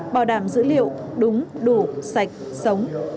bảo đảm dữ liệu